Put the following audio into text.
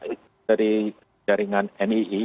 itu dari jaringan nii